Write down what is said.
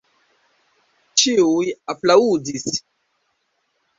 Ĉiuj aplaŭdis.